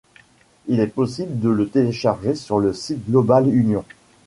Il est possible de le télécharger sur le site Global Unions.